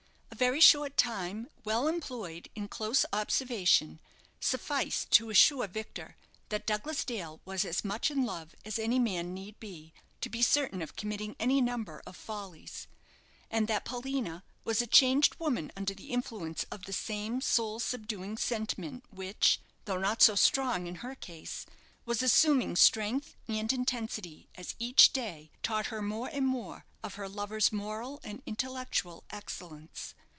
A very short time, well employed in close observation, sufficed to assure Victor that Douglas Dale was as much in love as any man need be to be certain of committing any number of follies, and that Paulina was a changed woman under the influence of the same soul subduing sentiment which, though not so strong in her case, was assuming strength and intensity as each day taught her more and more of her lover's moral and intellectual excellence.